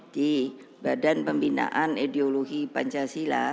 di badan pembinaan ideologi pancasila